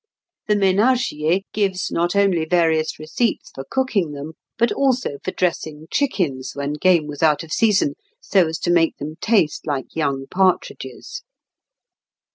The "Ménagier" gives not only various receipts for cooking them, but also for dressing chickens, when game was out of season, so as to make them taste like young partridges.